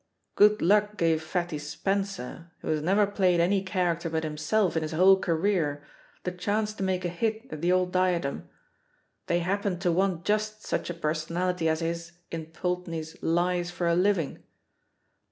Good luck gave Fatty Spencer, who has never played any character but himself in his whole career, the chance to make a hit at the old Diadem; they happened to want just such a personality as his in Pulteney's Ldes for a Living.